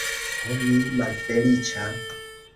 Ho, mi malfeliĉa!